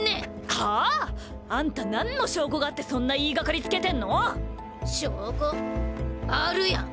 はあ⁉あんた何の証拠があってそんな言いがかりつけてんの⁉証拠⁉あるやん！